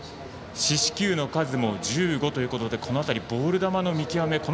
四死球の数も１５ということでこの辺りボール球の見極め